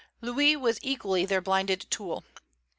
Louis was equally their blinded tool.